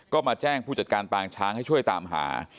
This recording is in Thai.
ก็มาแจ้งผู้จัดการปางช้างให้ช่วยตามหา